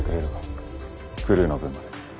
クルーの分まで。